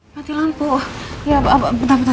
mati lampu ya mbak bentar bentar